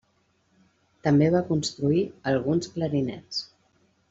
També va construir alguns clarinets.